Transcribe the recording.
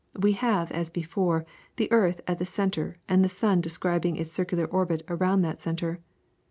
We have, as before, the earth at the centre, and the sun describing its circular orbit around that centre.